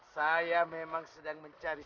saya memang sedang mencari